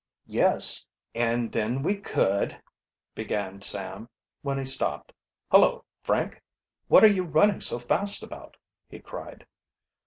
"Yes, and then we could " began Sam, when he stopped. "Hullo, Frank, what are, you running so fast about?" he cried.